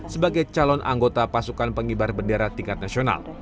sebagai calon anggota pasukan pengibar bendera tingkat nasional